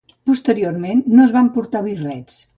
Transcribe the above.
Posteriorment, no es van portar birrets.